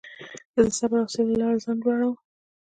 زه د صبر او حوصلې له لارې ځان لوړوم.